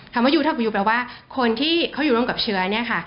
คำว่ายูเท่ากับยูแปลว่าคนที่เขาอยู่ร่วมกับเชื้อเนี่ยค่ะ